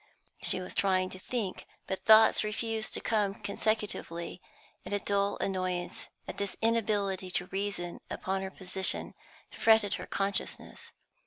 She was trying to think, but thoughts refused to come consecutively, and a dull annoyance at this inability to reason upon her position fretted her consciousness.